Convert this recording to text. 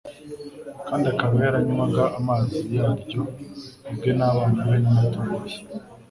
kandi akaba yaranywaga amazi yaryo ubwe n'abana be n'amatungo ye?"